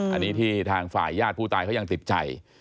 อันนี้ที่ทางฝ่ายญาติผู้ตายเขายังติดใจ